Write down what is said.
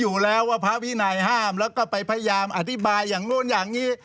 อยู่แล้วว่าพระวินัยห้ามแล้วก็ไปพยายามอธิบายอย่างนู้นอย่างนี้